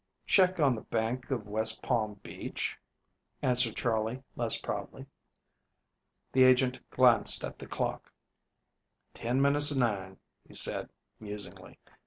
"Check on the Bank of West Palm Beach," answered Charley less proudly. The agent glanced at the clock. "Ten minutes of nine," he said musingly.